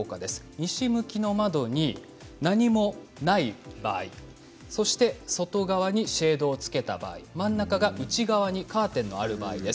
西向きの窓に何もない場合外側にシェードをつけた場合真ん中が内側にカーテンのある場合です。